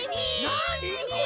なにこれ！？